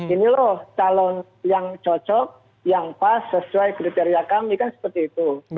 ini loh calon yang cocok yang pas sesuai kriteria kami kan seperti itu